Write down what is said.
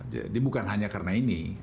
jadi bukan hanya karena ini